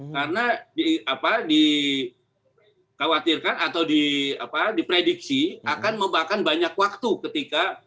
karena dikhawatirkan atau diprediksi akan membahkan banyak waktu ketika